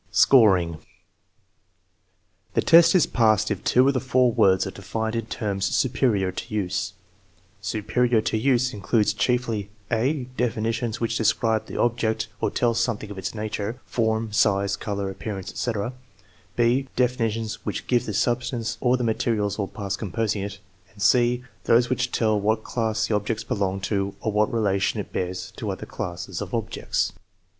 Scoring. The test is passed if two of the four words are defined in terms superior to use. " Superior to use " in cludes chiefly: (a) Definitions which describe the object or tell something of its nature (form, size, color, appearance, etc.); (6) definitions which give the substance or the ma terials or parts composing it; and (c) those which tell what class the object belongs to or what relation it bears to other classes of objects.